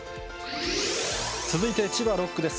続いて千葉６区です。